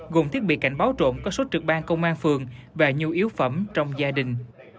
gồm thiết bị cảnh báo trộm có số trực ban công an phường và nhu yếu phẩm trong gia đình